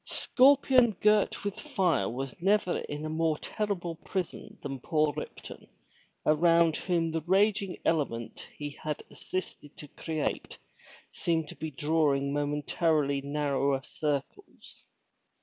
Scorpion girt with fire was never in a more terrible prison than poor Ripton, around whom the raging element he had assisted to create seemed to be drawing momentarily narrower circles.